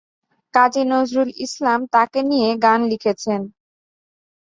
কাজী নজরুল ইসলাম তাকে নিয়ে গান লিখেছেন।